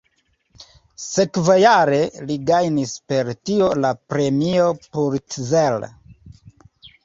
Sekvajare li gajnis per tio la Premio Pulitzer.